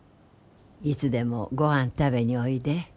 「いつでもごはん食べにおいで」